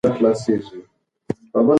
ماشوم په خپله منډه کې د باد سرعت احساساوه.